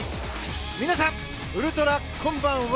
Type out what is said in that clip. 皆さん、ウルトラこんばんは。